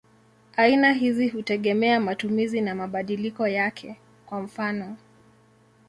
Aina hizi hutegemea matumizi na mabadiliko yake; kwa mfano.